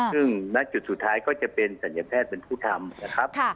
ซึ่งนักจุดสุดท้ายก็จะเป็นสัญญแพทย์เป็นผู้ทำ